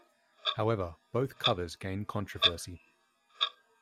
However, both covers gained controversy.